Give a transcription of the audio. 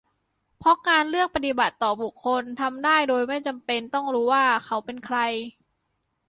เพราะการเลือกปฏิบัติต่อบุคคลทำได้โดยไม่จำเป็นต้องรู้ว่าเขาเป็น "ใคร"